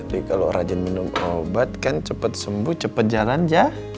jadi kalau rajin minum obat kan cepet sembuh cepet jalan jah